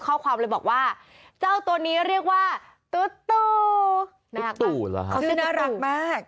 เข้าความเลยบอกว่าเจ้าตัวนี้เรียกว่าตุ๊ดตุ๋ตุ๊ดตุ๋เหรอค่ะเขาชื่อน่ารักมาก